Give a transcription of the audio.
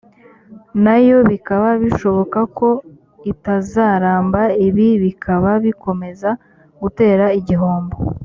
nayo bikaba bishoboka ko itazaramba ibi bikaba bikomeza gutera igihombo